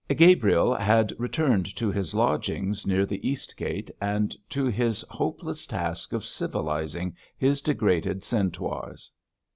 Gabriel had returned to his lodgings near the Eastgate, and to his hopeless task of civilising his degraded centaurs.